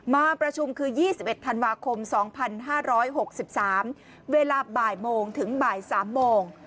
มาประชุมคือ๒๑ธันวาคม๒๕๖๓เวลาบ่ายโมงถึงบ่าย๓โมง